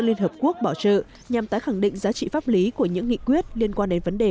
liên hợp quốc bảo trợ nhằm tái khẳng định giá trị pháp lý của những nghị quyết liên quan đến vấn đề